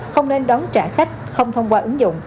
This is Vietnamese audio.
không nên đón trả khách không thông qua ứng dụng